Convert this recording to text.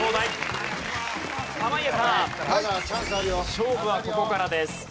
勝負はここからです。